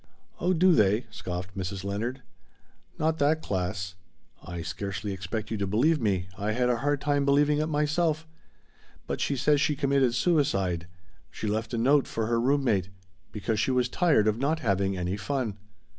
"Oh, do they?" scoffed Mrs. Leonard. "Not that class. I scarcely expect you to believe me I had a hard time believing it myself but she says she committed suicide she left a note for her room mate because she was 'tired of not having any fun!'"